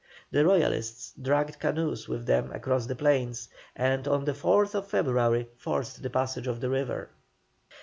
The Royalists dragged canoes with them across the plains, and on the 4th February forced the passage of the river.